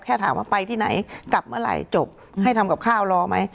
ถามว่าไปที่ไหนกลับเมื่อไหร่จบให้ทำกับข้าวรอไหม